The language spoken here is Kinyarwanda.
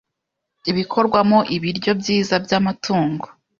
bikorwamo ibiryo byiza by’amatungo